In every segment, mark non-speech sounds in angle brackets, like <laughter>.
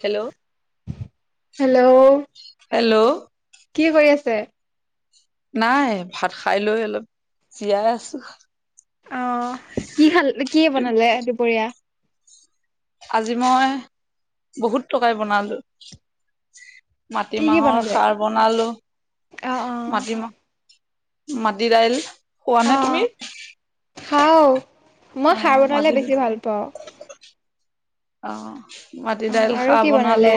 Hello hello hello কি কৰি আছে? নাই ভাত খাই লৈ অলপ জীয়াই আছো। অ কি খাল কি বনালে দুপৰীয়া? আজি মই বহুত তকাৰি বনালো। কি কি মাটিমাহৰ বনালে? খাৰ বনালো, অ', অ' মাটিমাহ মাটি দাইল। খোৱা অ, নে তুমি খাওঁ। মই অ খাৰ বনালে মাটি দাইল বেছি ভাল পাওঁ। অ, মাটি অ', দাইল আৰু খাৰ কি বনালে? বনালো,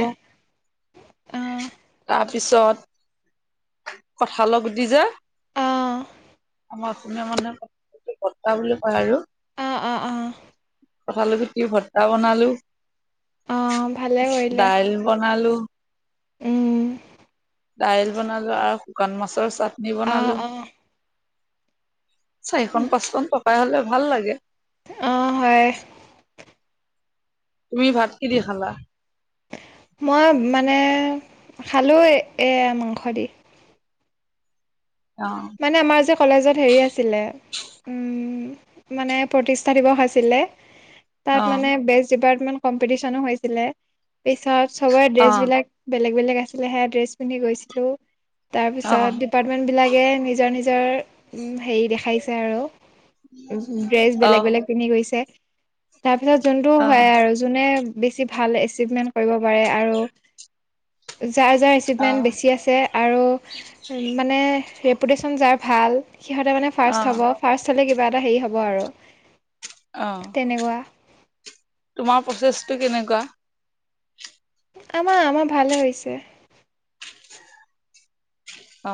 অ', তাত পিছত কঁঠালৰ গুটি যে অ আমাৰ অসমীয়া মানুহে, ভৰ্তা বুলি কয় আৰু অ-অ-অ। কঁঠাল গুটিৰ ভৰ্তা বনালো। অ' ভালে কৰিলে। দাইল বনালো। উম। দাইল বনালো আৰু শুকান মাছৰ চাটনি অ', বনালো। অ', চাৰিখন, পাঁচখন পকাই হ'লে ভাল লাগে। অ', হয়। তুমি ভাত কি দি খালা? মই মানে, খালোঁ এইয়া মাংস দি। অ', মানে আমাৰ যে, কলেজত হেৰি আছিলে উম, মানে প্ৰতিষ্ঠা দিবস আছিলে, তাত মানে অ', বেচ ডিপাৰ্ট কিমান কম্পিটিচনো হৈছিলে, পিছত চবৰে ড্ৰেছ অ', বিলাক বেলেগ-বেলেগ আছিলে, সেইয়া ড্ৰেছ পিন্ধি গৈছিলোঁ। তাৰপিছত ডিপাৰ্টমেণ্ট বিলাকে তাৰ নিজৰ, উম হেৰি দেখাইছে আৰু ড্ৰেছ অ', বেলেগ-বেলেগ পিন্ধি গৈছে। তাৰপিছত যোনটো অ', হয় আৰু যোনে বেছি ভাল এচিভমেন্ট কৰিব পাৰে আৰু যু যাৰ-যাৰ এচিভমেণ্ট অ', বেছি আছে, আৰু মানে ৰেপুটেশ্যন যাৰ ভাল সিহঁতে মানে ফাৰ্ষ্ট হ'ব, ফাৰ্ষ্ট হ'লে কিবা এটা হেৰি হ'ব, আৰু তেনেকুৱা। তোমাৰ প্ৰচেছটো কেনেকুৱা? আমাৰ-আমাৰ ভালে হৈছে। অ।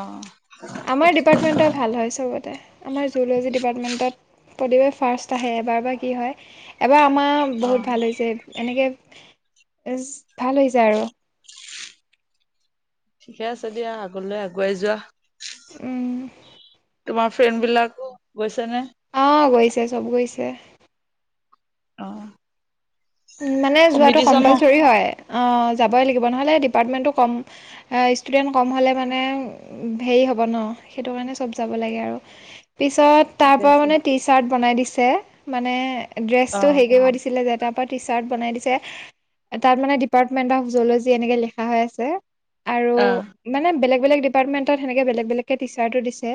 আমাৰ ডিপাৰ্টমেণ্টৰ ভাল হয় চবতে, আমাৰ জুলজী ডিপাৰ্টমেণ্টত প্ৰতিবাৰ ফাৰ্ষ্ট আহে, এবাৰ বা কি হয়? এবাৰ আমাৰ অ', বহুত ভাল হৈছে, এনেকে জা ভাল হৈছে আৰু ঠিকে আছে দিয়া, আগলৈ আগুৱাই যোৱা। তোমাৰ ফ্ৰেণ্ড বিলাকো গৈছে নে? অহ, গৈছে চব গৈছে। অ'হ। মানে যোৱাটো কম্পালচৰি হয়। অ যাবই লাগিব, নহ'লে ডিপাৰ্টমেণ্টটো কম, ষ্টুডেণ্ট কম হ'লে মানে হেৰি হ'ব ন সেইটো কাৰণে, চব যাব লাগে আৰু পিছত তাৰ ঠিকে পৰা আছে। মানে টি চাৰ্ট বনাই দিছে, মানে ড্ৰেছটো অ', হেৰি কৰিব দিছিলে যে তাৰপৰা টি চাৰ্ট বনাই দিছে, তাত মানে ডিপাৰ্টমেন্ট অফ জলজি এনেকে লিখা হৈ আছে। আৰু অ', মানে বেলেগ-বেলেগ ডিপাৰ্টমেণ্টত সেনেকে বেলেগ-বেলেগকে টি চাৰ্টটো দিছে।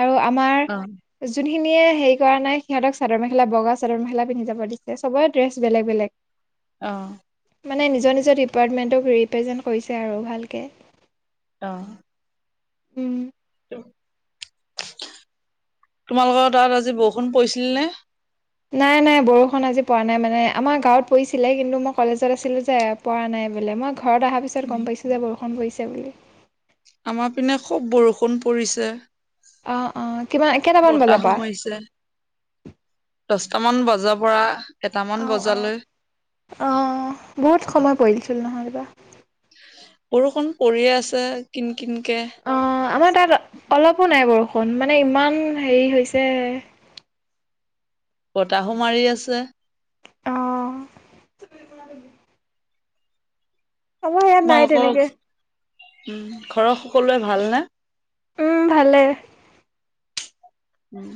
আৰু আমাৰ অ', এজনী সেই খিনিয়ে হেৰি কৰা নাই, সিহঁতক চাদৰ-মেখেলা, বগা চাদৰ-মেখেলা পিন্ধিব দিছে। চবৰে ড্ৰেছ বেলেগ-বেলেগ অহ মানে নিজৰ-নিজৰ ডিপাৰ্টমেণ্টক, ৰিপ্ৰেজেণ্ট কৰিছে আৰু ভালকে। অ উম তোমালোকৰ তাত আজি বৰষুণ পৰিছিল নে? নাই-নাই বৰষুণ আজি পৰা নাই মানে আমাৰ গাঁৱত পৰিছিলে কিন্তু মই কলেজত আছিলো যে পৰা নাই বোলে মই ঘৰত অহা পিছত উম। গম পাইছো যে বৰষুণ পৰিছে বুলি। আমাৰ পিনে খুব বৰষুণ পৰিছে। আহ-আহ কিমান কেইটামান বজাৰ বতাহো পৰা? দহটামান বজাৰ পৰা এটামান আহ অ বজালৈ আহ বহুত সময় পৰিছিল নহয় বা বৰষুণ পৰিয়ে আছে। কিন কিনকে। অ আমাৰ তাত অলপো নাই বাৰু অকন মানে ইমান হেৰি হৈছে বতাহো মাৰি আছে। আহ আমাৰ ইয়াত নাই তোমালোকৰ তেনেকে উম ঘৰৰ সকলোৱে ভাল নে? উম ভালে। উম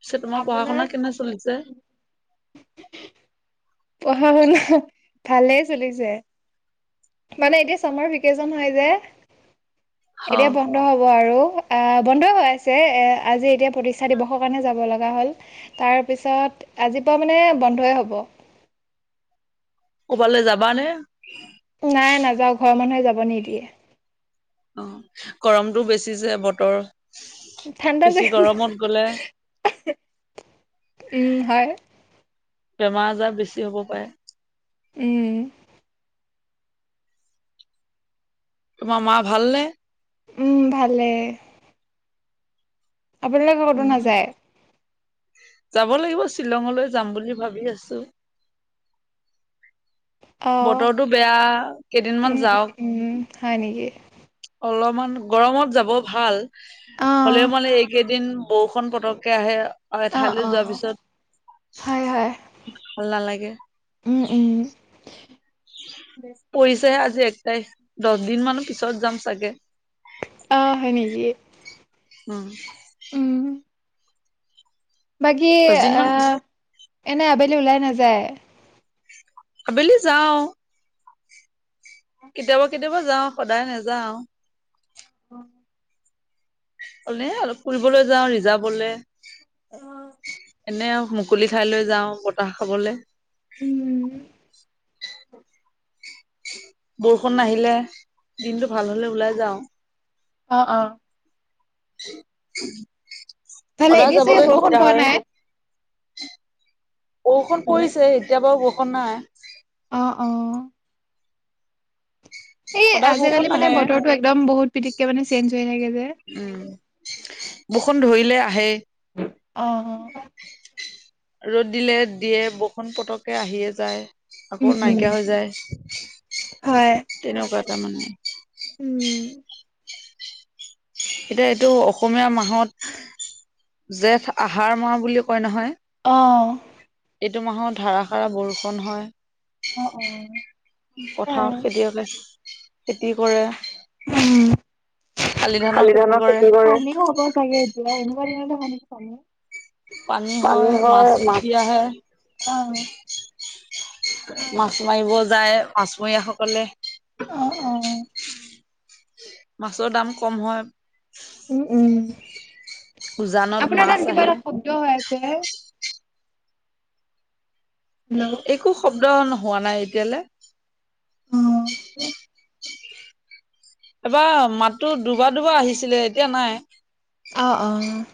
পিছে তোমাৰ আপোনাৰ পঢ়া-শুনা কেনে চলিছে? পঢ়া-শুনা ভালেই চলিছে মানে এতিয়া চামাৰ ভিকেচন হয় যে। হ এতিয়া বন্ধ হব আৰু। বন্ধ হৈ আছে আজি এতিয়া প্ৰতিষ্ঠা দিৱসৰ কাৰণে যাব লগা হ'ল তাৰপিছত আজিৰপা মানে বন্ধই হ'ব। কৰ'বালৈ যাবানে? নাই নাযাওঁ ঘৰৰ মানুহে যাব নিদিয়ে। অ গৰমটো বেছি যে বতৰ ঠাণ্ডা যে বেছি গৰমত গ'লে উম হয়। বেমাৰ-আজাৰ বেছি হ'ব পাৰে। উম! তোমাৰ মাৰ ভাল নে? উম ভালে। আপোনালোকে কতো উম নাযায়? যাব লাগিব শ্বিলঙলৈ যাম বুলি ভাবি আছো। অ' বতৰটো বেয়া কেইদিনমান উম উম যাওক উম হয় নেকি অলপমান গৰমত যাব ভাল। অ' হ'লেও মানে এইকেইদিন বৰষুন পতককে আহে আৰু অ' এঠাইলৈ অ' যোৱাৰ হয় হয় পিছত ভাল নালাগে। দে হে আজি এক তাৰিখ দহদিনমানৰ পিছত যাম চাগে <unintelligible> আহ হয় নেকি? উম! উম বাকী দহ দিন মান পিছত আহ এনে আবেলি ওলাই নাযায়? আবেলি যাওঁ <inaudible> কেতিয়াবা-কেতিয়াবা যাওঁ সদায় নাযাওঁ। <unintelligible> অ <unintelligible> হলে অলপ ফুৰিবলৈ যাওঁ ৰিজাৰ্ভ অলে <unintelligible> অঁ <unintelligible> এনে মুকলি ঠাই লৈ যাওঁ বতাহ খাবলে। <unintelligible> উম <unintelligible> বৰষুণ নাহিলে দিনটো ভাল হলে ওলাই যাওঁ। অ-অ <unintelligible> ভালে সদায় এতিয়া চাগে যাবলৈ দিগ বৰষুণ দাৰ পোৱা হয়। নাই বৰষষুণ পৰিছে এতিয়া বাৰু বৰষুণ নাই। আহ অ। এই সদায় বৰষুণ আজিকালি মানে নাহে বতৰটো একদম বহুত পিথিতকে মানে চেঞ্জ হৈ থাকে যে। উম বৰষুণ ধৰিলে আহেই। অ। ৰ'দ দিলে দিয়ে বৰষুণ পতকে আহিয়ে যায়। উম আকৌ উম নাইকিয়া হৈ যায়। হয় তেনেকুৱা তাৰ মানে। উম এতিয়া এইটো অসমীয়া মাহত জেঠ আহাৰ মাহ বুলি কয় নহয়। অ। এইটো মাহত ধাৰাসাৰা বৰষুণ হয়। অ' অ' পথাৰত খেতিয়কে খেতি কৰে। উম শালি ধানৰ শালি ধানৰ খেতিও কৰে, পানীও হব চাগে এতিয়া, এনেকুৱা দিনতে হয় নহয় পানী। পানী মাছ হয়, উঠি আহে মাছ অ', মাছ মাৰিব যায় মাছমৰীয়া সকলে। অ', মাছৰ দাম কম হয়। উম- উম। উজানত আপোনাৰ মাছ তাত কিবা আহে এটা শব্দ হৈ আছে। হেল্ল' অ', একো শব্দ নোহোৱা নাই এতিয়ালে অ। এবাৰ মাতো দুবাৰ- দুবাৰ আহিছিলে এতিয়া নাই। অঁ অঁ।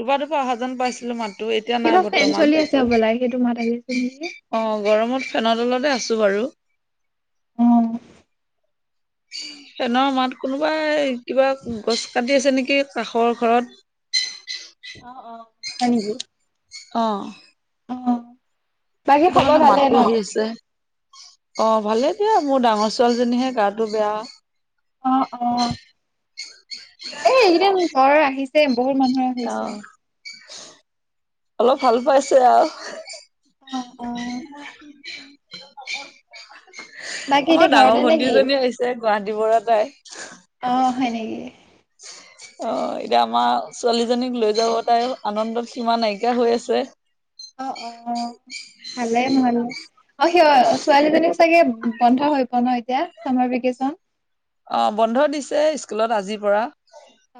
দুবাৰ- দুবাৰ অহা যেন পাইছিলো মাত কিবা ফেন চলি আছে হ'বলা সেইটো মাত আহি নেকি অ গৰমত ফেনৰ তলতে আছো বাৰু। অ। ফেনৰ মাত কোনোবাই কিবা গছ কাটি আছে নেকি কাষৰ ঘৰত। অ অ আ হয় নেকি। অ অ', বাকী সেইটো খবৰ কাৰণে ভালে ন? মাতো আহি আছে। অ ভালে দিয়া মোৰ ডাঙৰ ছোৱালীজনীহে গাটো বেয়া। অ অ এই এইকেইদিন জ্বৰ আহিছে। বহুত মানুহৰে অ হৈছে। অলপ ভাল পাইছে আৰু। অ', অ', <unintelligible> বাকী আমাৰ এতিয়া ঘৰতে ডাঙৰ নেকি ভন্টিজনী আহিছে গুৱাহাটী পৰা তাই অ', হয় নেকি আহ এতিয়া আমাৰ ছোৱালীজনীক লৈ যাব তাই আনন্দত সীমা নাইকীয়া হৈ আছে অ অ ভালে ভাল অ সি ছোৱালীজনীক চাগে বন্ধ হৈ পোৱা ন এতিয়া চামাৰ ভেকচন অ বন্ধ দিছে স্কুলত আজিৰ পৰা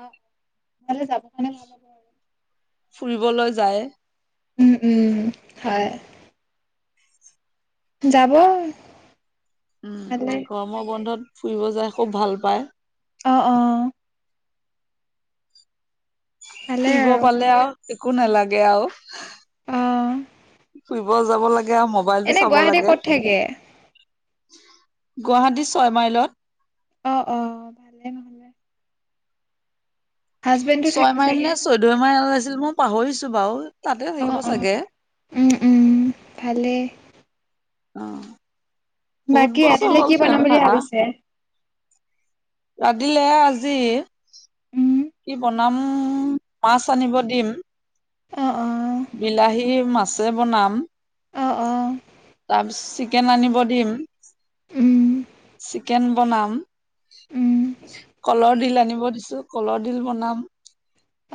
অ ভালে যাব কাৰণে ভাল হ'ব আৰু ফুৰিবলৈ যায় উম উম হয় যাব উম ভালে গৰমৰ বন্ধত ফুৰিব যায় খুব ভাল পায় অঁ অঁ ফুৰিব পালে আৰু একো নালাগে আৰু। আহ ফুৰিব যাব লাগে আও, মবাইলটো চাব লাগে ক'ত থাকে গুৱাহাটী ছয় মাইলত। অঁ, অঁ ভালে ভালে। ছয় থাকে মাইল চাগে নে, চৈধ্য মাইল আছিল মই পাহৰিছোঁ বাৰু। তাতে অ থাকিব অ চাগে। উম উম ভালেই অঁ বহুত বাকী বছৰ ৰাতিলে হ'ল কি বনাম সিহঁতে বুলি থাকা ভাবিছে তাত্‌ দিলে আজি উম কি বনাম? মাছ আনিব দিম। অঁ, অঁ বিলাহী, মাছে বনাম অ অ তাৰ পিছ্‌ত-চিকেন আনিব দিম। ওঁ চিকেন বনাম কলৰ ডিল আনিব দিছো, কলৰ ডিল বনাম।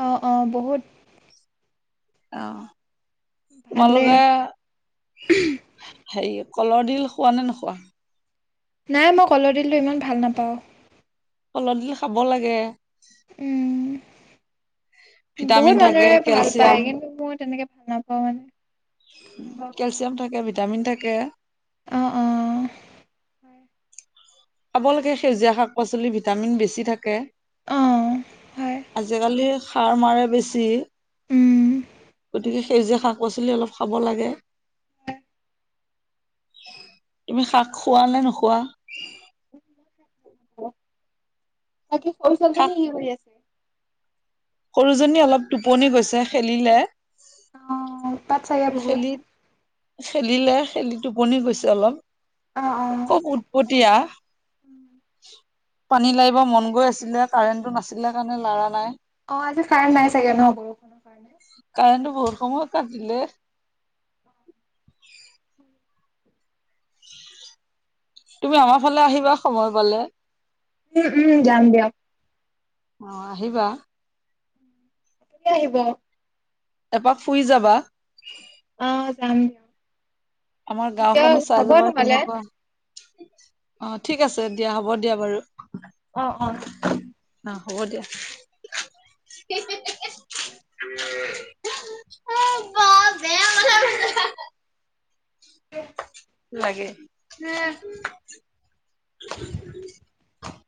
অঁ, অঁ বহুত অঁ, ভালে তোমালোকে হেৰি কলৰ ডিল খোৱা নে, নোখোৱা? নাই, মই কলৰ ডিলটো ইমান ভাল নাপাওঁ। কলৰ ডিল খাব লাগে। উম বহুত ভিটামিন থাকে মানুহে ভাল পায় কেলচিয়াম কিন্তু মই তেনেকে ভাল নাপাওঁ, মানে। বেয়া কেলচিয়াম থাকে, ভিটামিন থাকে। অঁ, অঁ খাব লাগে, সেউজীয়া শাক -পাচলি, ভিটামিন বেছি থাকে। অ অ হয় আজি-কালি সাৰ মাৰে বেছি। উম গতিকে, সেউজীয়া শাক -পাচলি অলপ খাব লাগে। তুমি শাক খোৱা নে, নোখোৱা? বাকি, সৰু শাক ছোৱালিজনী ই শুইয়ে সৰুজনী অলপ টোপনি গৈছে। খেলিলে তাত চাগে বহুত। খেলি খেলিলে, খেলি টোপনি গৈছে অলপ, অ অ খুব উৎপতীয়া। পানী লাৰিব মন গৈ আছিলে। কাৰেণ্টো নাছিলে কাৰণে লাৰা নাই। অ আজি কাৰেণ্ট নাই চাগে ন বৰষুণৰ কাৰণে কাৰেণ্টো বহুত সময় কাটিলে। তুমি আমাৰ ফালে আহিবা সময় পালে। উম, উম যাম যাম। অঁ, আহিবা। কেতিয়া আহিব? এপাক ফুই যাবা। অঁ, যাম। আমাৰ দিয়ক গাওঁখনো চাই হ'ব যাবা নহ'লে কেনেকুৱা। অঁ, ঠিক আছে দিয়া, হ'ব দিয়া বাৰু। অঁ, অঁ। অঁ, হ'ব দিয়া। <unintelligible> অওবা <unintelligible> <unintelligible> <unintelligible> লাগে। <unintelligible>